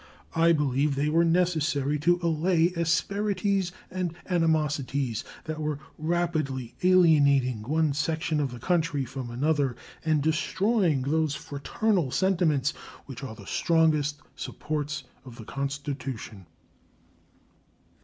I believe they were necessary to allay asperities and animosities that were rapidly alienating one section of the country from another and destroying those fraternal sentiments which are the strongest supports of the Constitution.